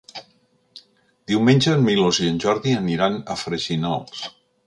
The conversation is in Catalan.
Diumenge en Milos i en Jordi aniran a Freginals.